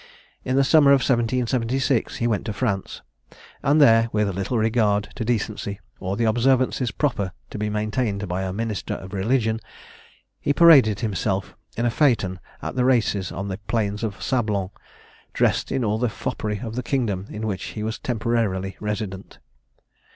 In the summer of 1776, he went to France, and there, with little regard to decency or the observances proper to be maintained by a minister of religion, he paraded himself in a phaeton at the races on the plains of Sablons, dressed in all the foppery of the kingdom in which he was temporarily resident.